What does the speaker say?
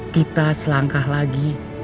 kita selangkah lagi